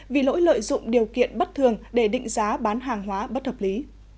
vì lỗi lợi dụng điều kiện bất thường để định giá bán hàng hóa bất hợp lý